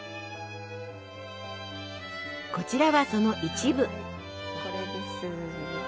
こちらはその一部。